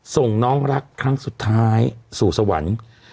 ส่งน้องรักครั้งสุดท้ายสู่สวรรค์